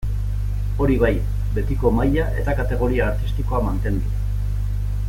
Hori bai, betiko maila eta kategoria artistikoa mantenduz.